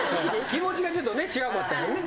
気持ちがちょっとね違うかったんやね。